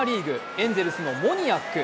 エンゼルスのモニアク。